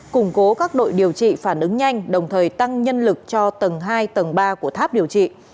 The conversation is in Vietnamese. củng cố các đội điều trị phản ứng nhanh đồng thời tăng nhân lực cho tầng hai tầng ba của tháp điều trị